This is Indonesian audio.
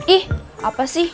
ih apa sih